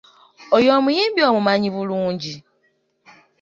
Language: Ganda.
Oyo omuyimbi omumanyi bulungi?